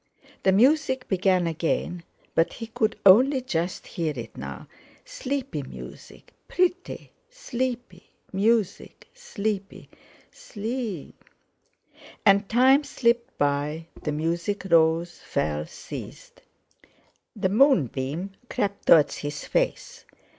The music began again, but he could only just hear it now; sleepy music, pretty—sleepy—music—sleepy—slee..... And time slipped by, the music rose, fell, ceased; the moonbeam crept towards his face.